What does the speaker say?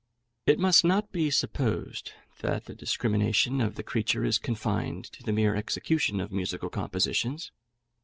It must not be supposed that the discrimination of the creature is confined to the mere execution of musical compositions.